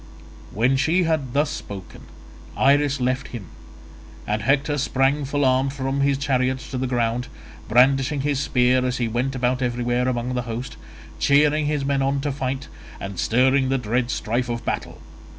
When she had thus spoken Iris left him, and Hector sprang full armed from his chariot to the ground, brandishing his spear as he went about everywhere among the host, cheering his men on to fight, and stirring the dread strife of battle.